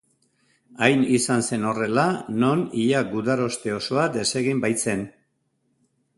Hain izan zen horrela non ia gudaroste osoa desegin baitzen.